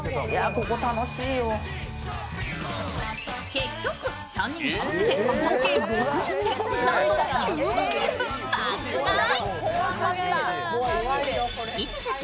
結局、３人合わせて合計６０点なんと９万円分爆買い。